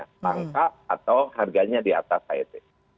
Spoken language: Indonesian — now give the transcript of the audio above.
sepangka atau harganya di atas het